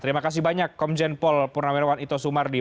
terima kasih banyak komjen paul purnawerawan ito sumardi